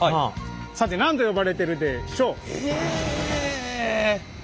さて何と呼ばれているでしょう？え？